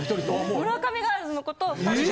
村上ガールズの子と２人で。